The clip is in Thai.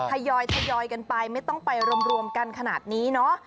ทยอยทยอยกันไปไม่ต้องไปรวมกันขนาดนี้เนาะ